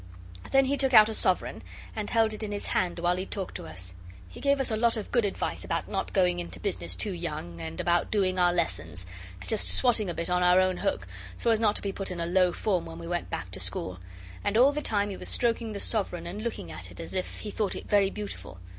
Then he took out a sovereign, and held it in his hand while he talked to us. He gave us a lot of good advice about not going into business too young, and about doing our lessons just swatting a bit, on our own hook, so as not to be put in a low form when we went back to school. And all the time he was stroking the sovereign and looking at it as if he thought it very beautiful.